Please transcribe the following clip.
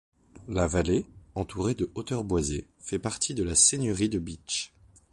La vallée, entourée de hauteurs boisées, fait partie de la seigneurie de Bitche.